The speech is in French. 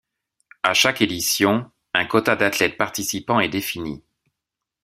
À chaque édition, un quota d'athlètes participants est défini.